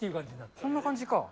こんな感じか。